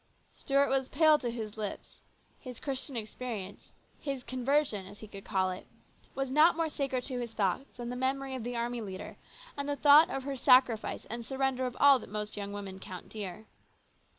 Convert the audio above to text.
Stuart was pale to his lips. His Christian experience, his " conversion," as he could call it, was not more sacred to his thoughts than the memory of the army leader and the thought of her sacrifice and surrender of all that most young women count dear.